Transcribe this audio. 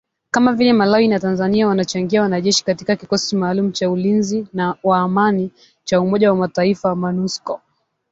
kama vile Malawi na Tanzania wanachangia wanajeshi katika kikosi maalum cha ulinzi wa amani cha Umoja wa Mataifa MONUSCO